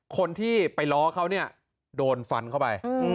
คนที่ไปล้อเขาเนี่ยโดนฟันเข้าไป